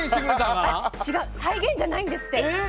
再現じゃないんですって。